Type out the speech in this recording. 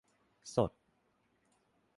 สด